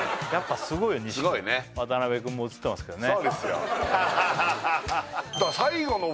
すごいね渡辺君も映ってますけどね